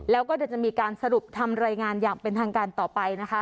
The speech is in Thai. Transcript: แล้วก็เดี๋ยวจะมีการสรุปทำรายงานอย่างเป็นทางการต่อไปนะคะ